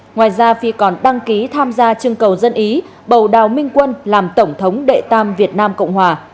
ngoài ra phi còn đăng ký tham gia chương cầu dân ý bầu đào minh quân làm tổng thống đệ tam việt nam cộng hòa